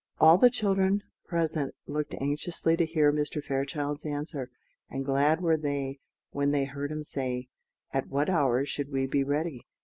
All the children present looked anxiously to hear Mr. Fairchild's answer, and glad were they when they heard him say, "At what hour should we be ready?"